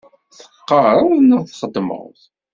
Tqerraḍ neɣ txeddmeḍ?